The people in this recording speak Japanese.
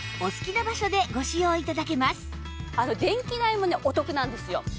しかも電気代もねお得なんですよ。